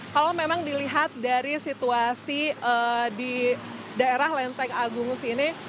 kalau memang dilihat dari situasi di daerah lenteng agung sini